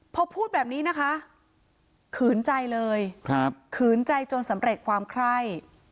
พอพูดแบบนี้นะคะขืนใจเลยขืนใจจนสำเร็จความไคร่